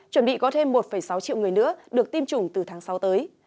chuẩn bị có thêm một sáu triệu người nữa được tiêm chủng từ tháng sáu tới